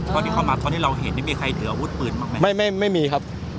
ตอนที่เข้ามาตอนที่เราเห็นนี่มีใครถืออาวุธปืนบ้างไหมไม่ไม่ไม่มีครับ